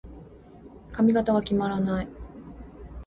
髪型が決まらない。